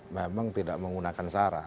memang tidak menggunakan sarah